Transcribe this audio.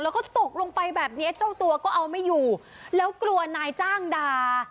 แล้วก็ตกลงไปแบบเนี้ยเจ้าตัวก็เอาไม่อยู่แล้วกลัวนายจ้างด่า